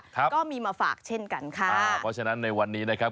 ก็มีมาฝากเช่นกันค่ะอ่าเพราะฉะนั้นในวันนี้นะครับ